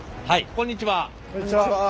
こんにちは。